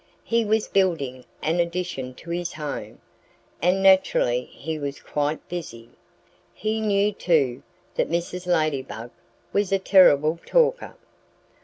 He was building an addition to his home; and naturally he was quite busy. He knew, too, that Mrs. Ladybug was a terrible talker.